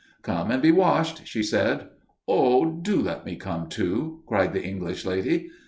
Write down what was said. "Come and be washed," she said. "Oh, do let me come, too," cried the English lady.